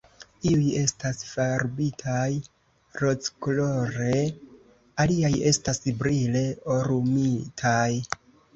Iuj estas farbitaj rozkolore, aliaj estas brile orumitaj.